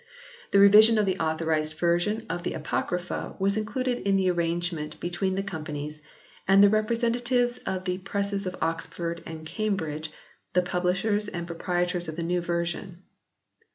The revision of the Authorised Version of the Apocrypha was included in the arrangement between the Companies and the Representatives of the Presses of Oxford and Cambridge, the publishers and pro prietors of the New Version.